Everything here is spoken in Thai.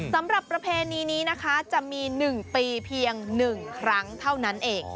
สำหรับประเพณีนี้นะคะจะมีหนึ่งปีเพียงหนึ่งครั้งเท่านั้นเอง